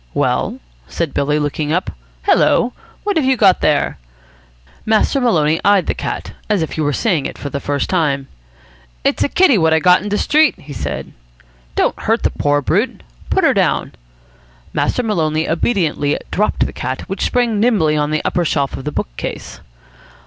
"Well?" said Billy, looking up. "Hello, what have you got there?" Master Maloney eyed the cat, as if he were seeing it for the first time. "It's a kitty what I got in de street," he said. "Don't hurt the poor brute. Put her down." Master Maloney obediently dropped the cat, which sprang nimbly on to an upper shelf of the book case.